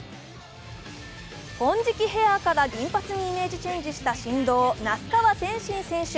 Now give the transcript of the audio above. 金色ヘアーから銀髪にイメージチェンジした神童・那須川天心選手。